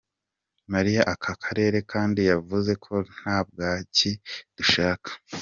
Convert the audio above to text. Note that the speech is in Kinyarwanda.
Muri aka karere kandi yavuze ko "nta bwaki dushaka".